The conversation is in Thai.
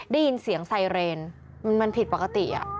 ได้ยินเสียงไซเรนมันผิดปกติ